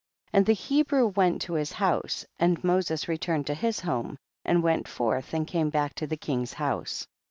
4. And the Hebrew went to his house, and Moses returned to his home, and went forth and came back to the king's house.